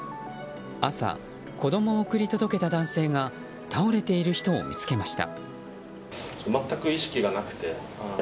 朝、子供を送り届けた男性が倒れている人を見つけました。